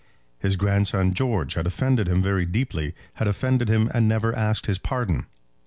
His grandson George had offended him very deeply, had offended him and never asked his pardon.